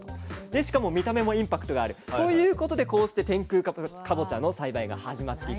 しかも見た目もインパクトがあるということでこうして天空かぼちゃの栽培が始まっていったわけなんですね。